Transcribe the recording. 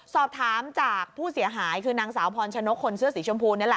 สอบถามจากผู้เสียหายคือนางสาวพรชนกคนเสื้อสีชมพูนี่แหละ